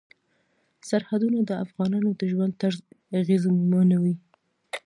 سرحدونه د افغانانو د ژوند طرز اغېزمنوي.